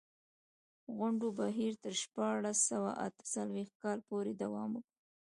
غونډو بهیر تر شپاړس سوه اته څلوېښت کال پورې دوام وکړ.